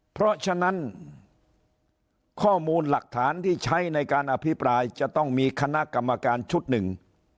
เพราะฉะนั้นข้อมูลหลักฐานที่ใช้ในการอภิปรายจะต้องมีคณะกรรมการชุดหนึ่ง